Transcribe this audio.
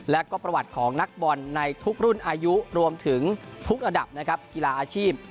และก็ประวัติของนักบอลในทุกรุ่นอายุรวมถึงทุกระดับนะครับกีฬาอาชีพ